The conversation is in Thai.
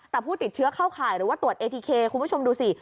แต่ผู้ติดเชื้อเข้าข่ายหรือว่าตรวจเอทีเคคุณผู้ชมดูสิ